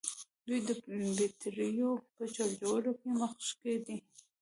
دوی د بیټریو په جوړولو کې مخکښ دي.